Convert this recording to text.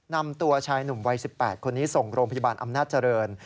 นำตัวชายหนุ่มวัย๑๘คนนี้ส่งโรงพยาบาลอำนาจเจริญ